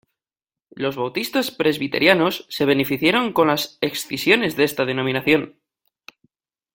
Los bautistas presbiterianos se beneficiaron con las escisiones de esta denominación.